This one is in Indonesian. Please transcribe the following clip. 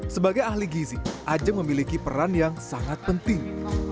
sebagai ahli gizi ajeng memiliki peran yang sangat penting